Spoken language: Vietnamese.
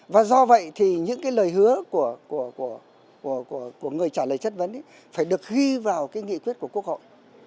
và do vậy thì những cái lời hứa của người trả lời chất vấn phải được ghi vào cái nghị quyết của quốc hội